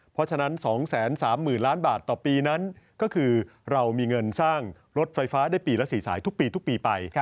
เพราะฉะนั้น๒๓๐๐๐ล้านบาทต่อปีนั้นก็คือเรามีเงินสร้างรถไฟฟ้าได้ปีละ๔สายทุกปีทุกปีไป